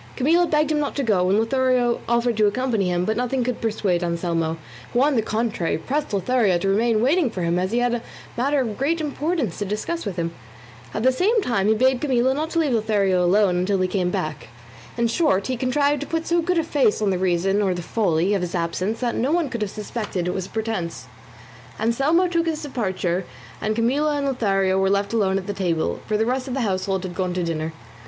Camilla begged him not to go, and Lothario offered to accompany him, but nothing could persuade Anselmo, who on the contrary pressed Lothario to remain waiting for him as he had a matter of great importance to discuss with him. At the same time he bade Camilla not to leave Lothario alone until he came back. In short he contrived to put so good a face on the reason, or the folly, of his absence that no one could have suspected it was a pretence. Anselmo took his departure, and Camilla and Lothario were left alone at the table, for the rest of the household had gone to dinner.